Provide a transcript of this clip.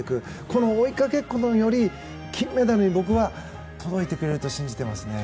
この追いかけっこのうちに金メダルに届いてくれると僕は信じていますね。